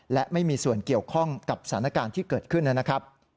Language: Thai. และไม่มีส่วนเกี่ยวข้องกับสถานการณ์ที่เกิดขึ้นนะครับ